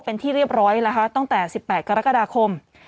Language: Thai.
เป็นที่เรียบร้อยแล้วค่ะตั้งแต่๑๘กรกฎาคม